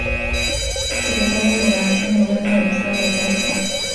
Secretaría de Gobernación y Gobierno del Estado de Jalisco.